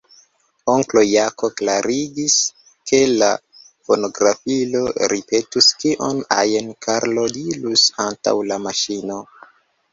Onklo Jako klarigis, ke la fonografilo ripetus kion ajn Karlo dirus antaŭ la maŝino.